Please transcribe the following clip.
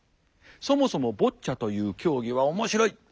そもそもボッチャという競技は面白い。